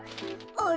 あれ？